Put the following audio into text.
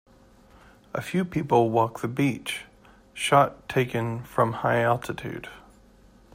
A few people walk the beach, shot taken from highaltitude